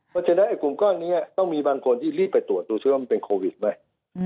เพราะฉะนั้นไอ้กลุ่มก้อนนี้ต้องมีบางคนที่รีบไปตรวจดูซิว่ามันเป็นโควิดไหม